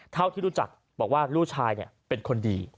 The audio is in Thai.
เท่าที่รู้จักบอกว่าลูกชายเป็นคนดี